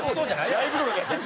ライブとかでやってる。